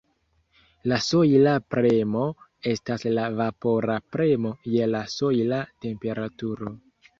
La sojla premo estas la vapora premo je la sojla temperaturo.